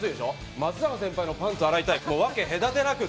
松坂先輩のパンツを洗いたい。